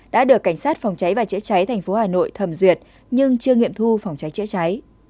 đã được cảnh sát phòng cháy và chữa cháy thành phố hà nội thẩm duyệt nhưng chưa nghiệm thu phòng cháy chữa cháy